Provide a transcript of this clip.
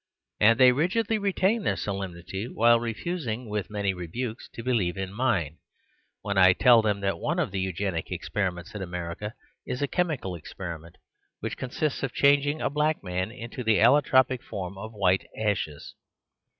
And they rigidly retain their solemnity (while refusing with many rebukes to believe in mine) when I tell them that one of the Eugenic experi ments in America is a chemical experiment; 54 The Superstition of Divorce which consists of changing a black man into the allotropic form of white ashes.